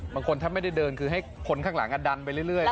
บางคนถ้าไม่ได้เดินคือให้คนข้างหลังดันไปเรื่อย